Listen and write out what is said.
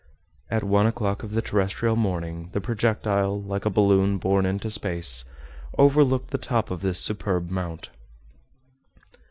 At one o'clock of the terrestrial morning, the projectile, like a balloon borne into space, overlooked the top of this superb mount.